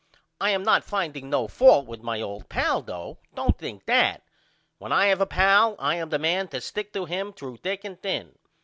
I am not finding no fault with my old pal though. Don't think that. When I have a pal I am the man to stick to him threw thick and thin.